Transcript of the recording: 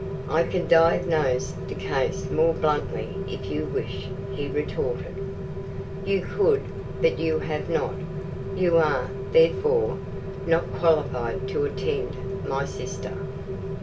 "I can diagnose the case more bluntly if you wish," he retorted. "You could, but you have not. You are, therefore, not qualified to attend my sister."